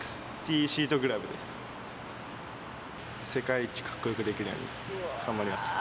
世界一カッコよくできるように頑張ります。